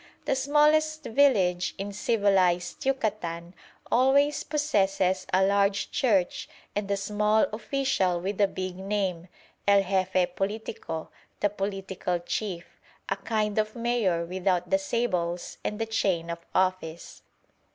The smallest village in civilised Yucatan always possesses a large church and a small official with a big name, el Jefe politico, "the political Chief," a kind of mayor without the sables and the chain of office.